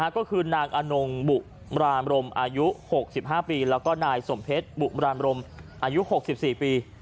ก็คือนางอนงบุรามรมอายุ๖๕ปีแล้วก็นายสมเพชรบุรามรมอายุ๖๔ปี